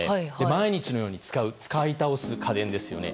毎日のように使う使い倒す家電ですよね。